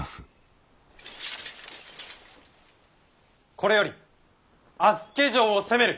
これより足助城を攻める！